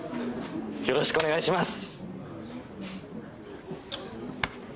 よろしくお願いします！